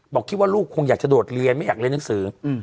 คิดว่าลูกคงอยากจะโดดเรียนไม่อยากเรียนหนังสือ